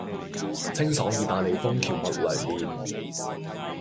清爽義大利風蕎麥涼麵